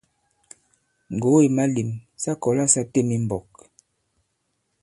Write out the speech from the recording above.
Ŋgògo ì malēm: sa kɔ̀la sa têm i mbɔ̄k.